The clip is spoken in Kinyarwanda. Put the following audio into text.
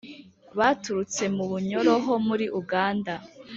baturutse mu bunyoro ho muri Uganda;